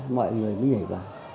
mọi người mới nhảy vào